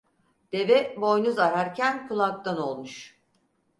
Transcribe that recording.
Deve boynuz ararken kulaktan olmuş.